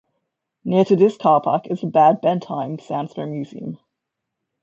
Near to this car park is the Bad Bentheim Sandstone Museum.